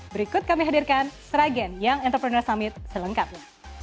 berikut kami hadirkan sragen young entrepreneur summit selengkapnya